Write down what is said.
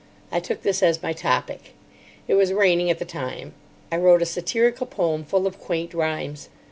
I took this as my topic. It was raining at the time. I wrote a satirical poem, full of quaint rhymes.